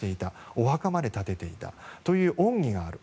お墓まで建てていたという恩義がある。